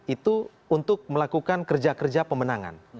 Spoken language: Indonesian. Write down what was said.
itu untuk melakukan kerja kerja pemenangan